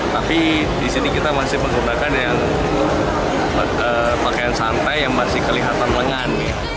tapi di sini kita masih menggunakan yang pakaian santai yang masih kelihatan lengan